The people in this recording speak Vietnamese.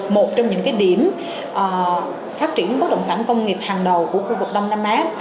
một trong những điểm phát triển bất động sản công nghiệp hàng đầu của khu vực đông nam á